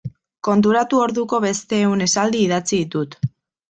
Konturatu orduko beste ehun esaldi idatzi ditut.